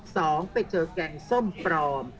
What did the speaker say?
สองไปเจอแกงส้มปลอม